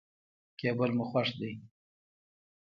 کېبل مو خوښ دی.